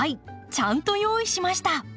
ちゃんと用意しました！